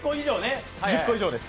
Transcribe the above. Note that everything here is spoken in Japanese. １０個以上です。